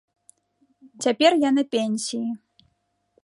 Цяпер я на пенсіі.